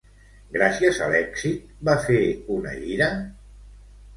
Gràcies a l'èxit, va fer una gira?